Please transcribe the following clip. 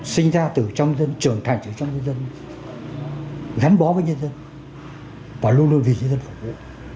sinh ra từ trong dân trưởng thành từ trong dân dân gắn bó với nhân dân và luôn luôn vì dân phổ vụ